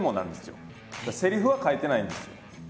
セリフは書いてないんですよ。